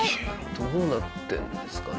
どうなってるんですかね？